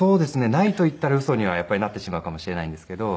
ないと言ったらウソにはやっぱりなってしまうかもしれないんですけど。